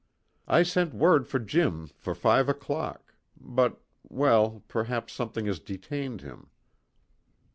"I sent word to Jim for five o'clock but well, perhaps something has detained him."